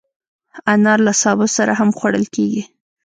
انار له سابه سره هم خوړل کېږي.